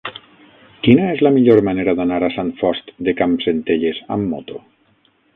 Quina és la millor manera d'anar a Sant Fost de Campsentelles amb moto?